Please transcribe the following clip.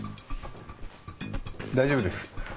大丈夫です。